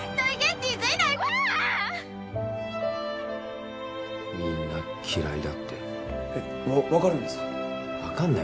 ☎みんな嫌いだって分かるんですか？